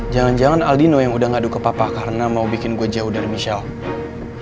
jangan jangan aldino yang udah ngadu ke papa karena mau bikin gue jauh dari michelle